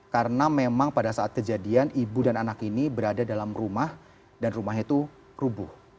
karena memang pada saat kejadian ibu dan anak ini berada dalam rumah dan rumahnya itu rubuh